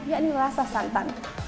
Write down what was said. yakni rasa santan